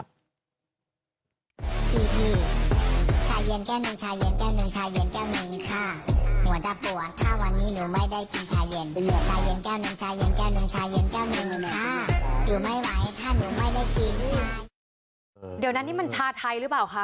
เดี๋ยวนั้นนี่มันชาไทยหรือเปล่าคะ